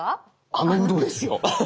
あのウドですよ。